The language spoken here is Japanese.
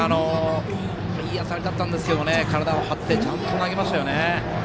いい当たりだったんですが体を張ってちゃんと投げましたよね。